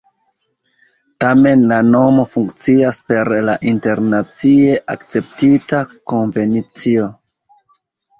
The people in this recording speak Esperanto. Tamen la nomo funkcias per la internacie akceptita konvencio.